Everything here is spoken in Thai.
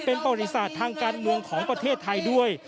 เป็นประวัติศาสตร์ทางการเมืองของประเทศไทยด้วย